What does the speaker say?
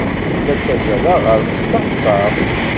La ttazzaleɣ ɣer teɣsert.